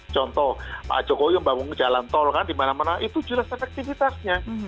contoh pak jokowi membangun jalan tol kan di mana mana itu jelas efektifitasnya